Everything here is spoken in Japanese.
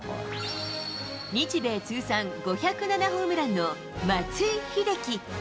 日米通算５０７ホームランの松井秀喜。